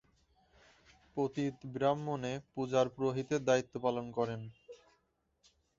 পতিত ব্রাহ্মণ এ পূজার পুরোহিতের দায়িত্ব পালন করেন।